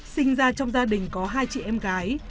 sinh ra trong gia đình có hai chị em gái